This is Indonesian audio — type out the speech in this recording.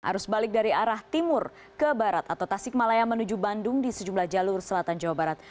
arus balik dari arah timur ke barat atau tasik malaya menuju bandung di sejumlah jalur selatan jawa barat